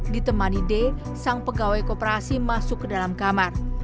ditemani d sang pegawai koperasi masuk ke dalam kamar